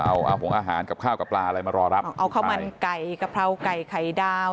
เอาผงอาหารกับข้าวกับปลาอะไรมารอรับเอาข้าวมันไก่กะเพราไก่ไข่ดาว